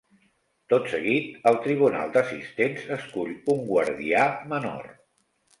Tot seguit, el tribunal d'assistents escull un guardià menor.